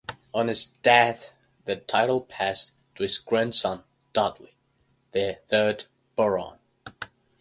On his death the title passed to his grandson Dudley, the third Baron.